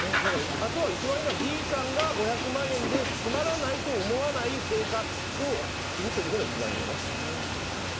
あとは一番いいのはＤさんが５００万円でつまらないと思わない生活をするというのが一番いいよね。